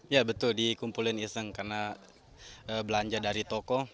ya betul dikumpulin iseng karena belanja dari toko